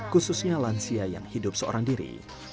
khususnya lansia yang hidup seorang diri